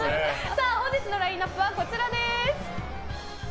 本日のラインアップはこちらです。